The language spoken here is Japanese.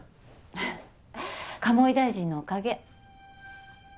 ははっ鴨井大臣のおかげ。